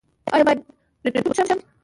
ایا زه باید ردبول وڅښم؟